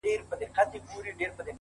باندي اوښتي وه تر سلو اضافه کلونه-